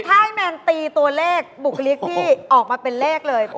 ถ้าให้แมนตีตัวเลขบุคลิกที่ออกมาเป็นเลขเลย